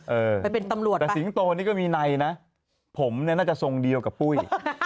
เออไปเป็นตำรวจแต่สิงโตนี่ก็มีในนะผมเนี่ยน่าจะทรงเดียวกับปุ้ย